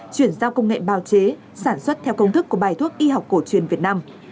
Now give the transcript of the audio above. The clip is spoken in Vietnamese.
chuyển giao công nghệ bào chế sản xuất theo công thức của bài thuốc y học cổ truyền việt nam